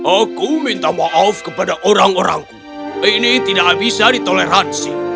aku minta maaf kepada orang orangku ini tidak bisa ditoleransi